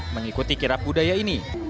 mengikuti kirap budaya ini